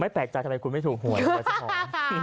ไม่แปลกจังทำไมคุณไม่ถูกห่วง